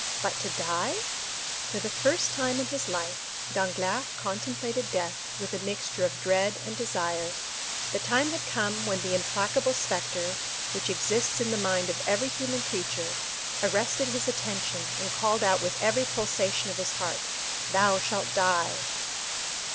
But to die? For the first time in his life, Danglars contemplated death with a mixture of dread and desire; the time had come when the implacable spectre, which exists in the mind of every human creature, arrested his attention and called out with every pulsation of his heart, "Thou shalt die!"